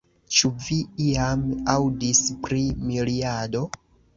Ĉu vi iam aŭdis pri miriado?